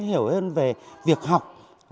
hiểu hơn về việc học